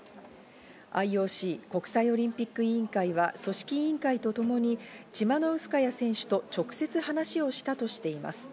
ＩＯＣ＝国際オリンピック委員会は組織委員会とともにチマノウスカヤ選手と直接話をしたとしています。